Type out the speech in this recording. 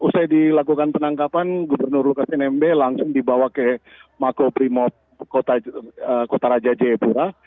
setelah dilakukan penangkapan gubernur lukas nmb langsung dibawa ke mako primot kota raja jayapura